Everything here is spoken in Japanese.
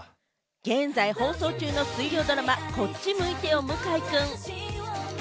現在、放送中の水曜ドラマ『こっち向いてよ向井くん』。